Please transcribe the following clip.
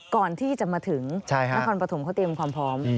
ก่อนที่จะมาถึงนครปฐมเขาเตรียมความพร้อม